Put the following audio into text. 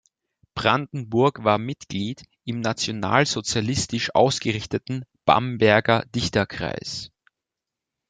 Brandenburg war Mitglied im nationalsozialistisch ausgerichteten Bamberger Dichterkreis.